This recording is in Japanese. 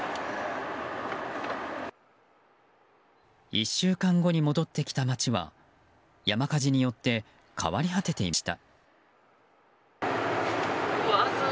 １週間後に戻ってきた街は山火事によって変わり果てていました。